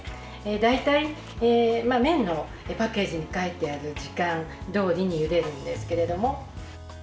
大体、麺のパッケージに書いてある時間どおりにゆでるんですけれども。